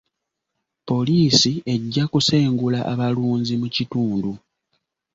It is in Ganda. Poliisi ejja kusengula abalunzi mu kitundu.